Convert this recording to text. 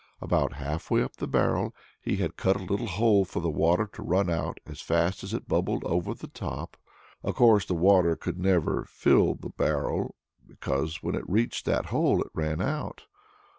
About half way up the barrel he had cut a little hole for the water to run out as fast as it bubbled in at the bottom. Of course the water never could fill the barrel, because when it reached that hole, it ran out.